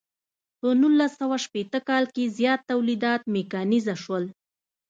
په نولس سوه شپیته کال کې زیات تولیدات میکانیزه شول.